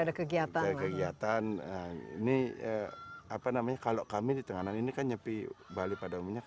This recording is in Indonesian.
ada kegiatan kegiatan ini apa namanya kalau kami di tenganan ini kan nyepi bali pada umumnya